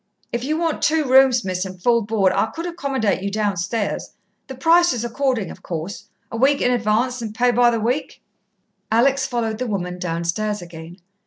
"If you want two rooms, Miss, and full board, I could accommodate you downstairs. The price is according, of course a week in advance, and pay by the week." Alex followed the woman downstairs again.